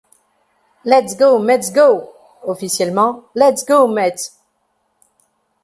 Let's Go Mets Go!, officiellement Let's Go Mets!